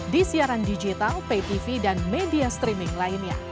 di siaran digital pay tv dan media streaming lainnya